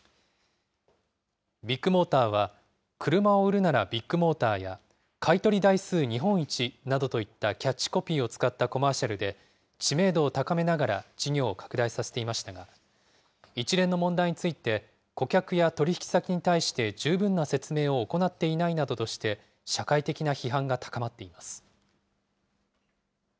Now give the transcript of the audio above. ビッグモーターは、車を売るならビッグモーターや、買い取り台数日本一などといったキャッチコピーを使ったコマーシャルで知名度を高めながら事業を拡大させていましたが、一連の問題について、顧客や取引先に対して十分な説明を行っていないなどとして、社会的な批判が高まっています。